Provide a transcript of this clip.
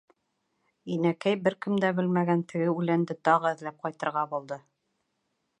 Инәкәй бер кем дә белмәгән теге үләнде тағы эҙләп ҡайтырға булды.